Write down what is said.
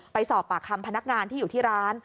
ไปสอบปากคำพนักงานที่อยู่ที่ร้าน